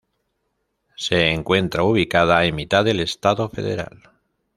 Se encuentra ubicada en mitad del estado federal.